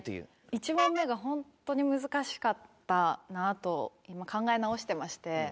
１問目がホントに難しかったなと今考え直してまして。